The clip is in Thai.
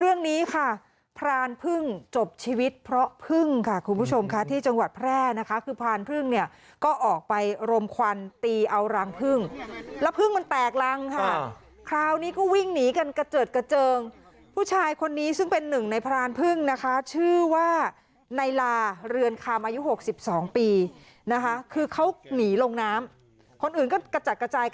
เรื่องนี้ค่ะพรานพึ่งจบชีวิตเพราะพึ่งค่ะคุณผู้ชมค่ะที่จังหวัดแพร่นะคะคือพรานพึ่งเนี่ยก็ออกไปรมควันตีเอารังพึ่งแล้วพึ่งมันแตกรังค่ะคราวนี้ก็วิ่งหนีกันกระเจิดกระเจิงผู้ชายคนนี้ซึ่งเป็นหนึ่งในพรานพึ่งนะคะชื่อว่าในลาเรือนคามอายุ๖๒ปีนะคะคือเขาหนีลงน้ำคนอื่นก็กระจัดกระจาย